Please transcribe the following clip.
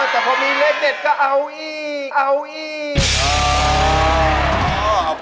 แต่พอมีเลขเด็ดก็เอาอีกเอาอีก